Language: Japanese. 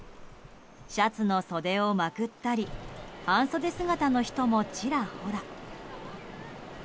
シャツの袖をまくったり半袖姿の人もちらほら。